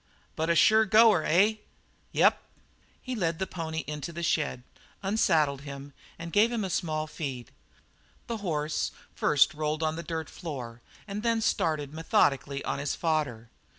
"But a sure goer, eh?" "Yep." He led the pony to the shed, unsaddled him, and gave him a small feed. The horse first rolled on the dirt floor and then started methodically on his fodder.